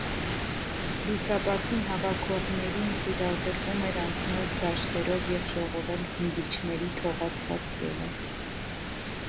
Լուսաբացին հավաքողներին թույլատրվում էր անցնել դաշտերով և ժողովել հնձիչների թողած հասկերը։